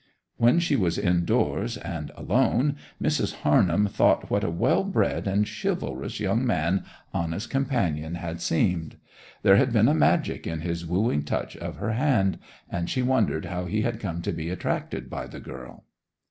When she was indoors and alone Mrs. Harnham thought what a well bred and chivalrous young man Anna's companion had seemed. There had been a magic in his wooing touch of her hand; and she wondered how he had come to be attracted by the girl.